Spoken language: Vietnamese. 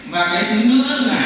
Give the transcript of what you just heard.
và cái thứ nữa là